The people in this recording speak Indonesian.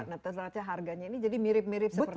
nah ternyata harganya ini jadi mirip mirip seperti itu